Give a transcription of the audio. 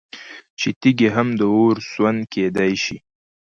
چې تيږي هم د اور سوند كېدى شي